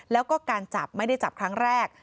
แล้วก็การจับไม่ได้จับครั้งแรก